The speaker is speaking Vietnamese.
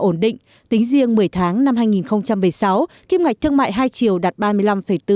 ổn định tính riêng một mươi tháng năm hai nghìn một mươi sáu kim ngạch thương mại hai triệu đạt